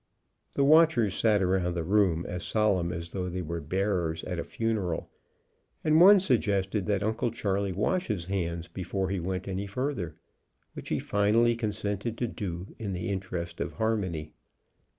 The watchers sat around the room as solemn as though they were bearers at a funeral, and one suggested that Uncle Charley wash his hands before he went any further, which he finally consented to do, in the interest of harmony.